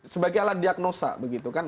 sebagai alat diagnosa begitu kan